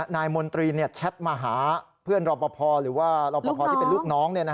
นายมนตรีแชทมาหาเพื่อนรอปภหรือว่ารอปภที่เป็นลูกน้อง